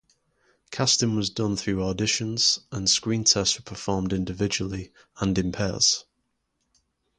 Casting was done through auditions, and screen tests were performed individually and in pairs.